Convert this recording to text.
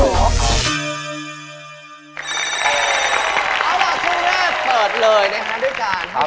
เอาละช่วงแรกเปิดเลยด้วยกันครับ